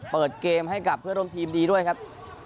เปิดเกมให้กับเพื่อนร่วมทีมดีด้วยครับ